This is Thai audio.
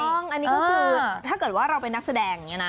ถูกต้องอันนี้ก็คือถ้าเกิดว่าเราเป็นนักแสดงอย่างนี้นะ